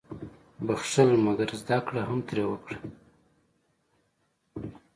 • بخښل، مګر زده کړه هم ترې وکړه.